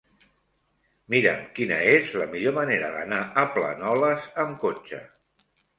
Mira'm quina és la millor manera d'anar a Planoles amb cotxe.